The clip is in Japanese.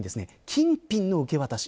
金品の受け渡し。